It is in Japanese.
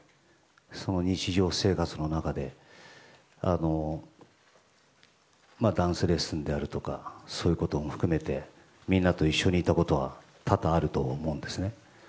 その日常生活の中でダンスレッスンであるとかそういうことも含めてみんなと一緒にいたことは多々あると思うんですね。